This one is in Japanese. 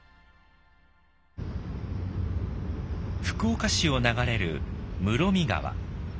福岡市を流れる室見川。